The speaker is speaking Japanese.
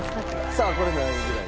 さあこれ何位ぐらい？